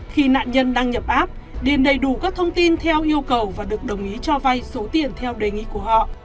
khi nạn nhân đăng nhập app điền đầy đủ các thông tin theo yêu cầu và được đồng ý cho vay số tiền theo đề nghị của họ